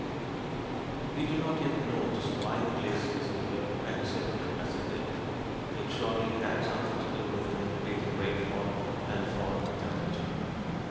We do not yet know just why the glaciers appeared and disappeared, as they did. It surely had something to do with an increase in rainfall and a fall in temperature.